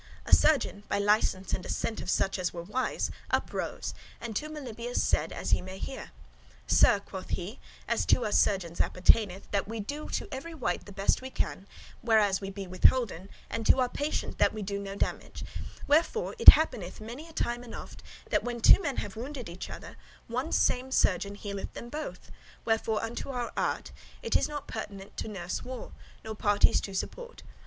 A surgeon, by licence and assent of such as were wise, up rose, and to Melibœus said as ye may hear. "Sir," quoth he, "as to us surgeons appertaineth, that we do to every wight the best that we can, where as we be withholden, [employed] and to our patient that we do no damage; wherefore it happeneth many a time and oft, that when two men have wounded each other, one same surgeon healeth them both; wherefore unto our art it is not pertinent to nurse war, nor parties to support [take sides].